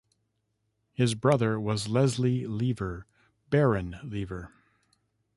His brother was Leslie Lever, Baron Lever.